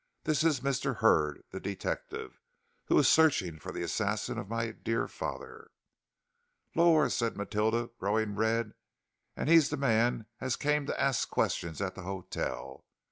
"This is Mr. Hurd, the detective, who is searching for the assassin of my dear father." "Lor,'" said Matilda, growing red. "And he's the man as came to ask questions at the 'otel.